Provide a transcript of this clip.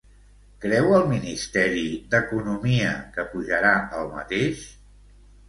Creu el ministeri d'Economia que pujarà el mateix?